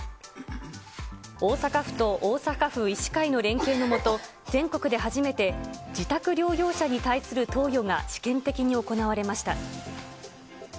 大阪府と大阪府医師会の連携の下、全国で初めて自宅療養者に対する投与が試験的に行われました。